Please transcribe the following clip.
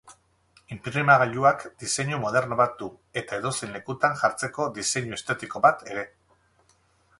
Inprimagailuak diseinu moderno bat du eta edozein lekutan jartzeko diseinu estetiko bat ere.